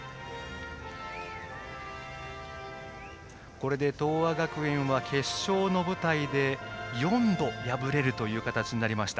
これで東亜学園は決勝の舞台で４度、敗れる形になりました。